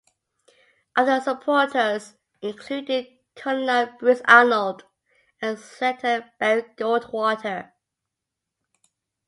Other supporters included Colonel Bruce Arnold and Senator Barry Goldwater.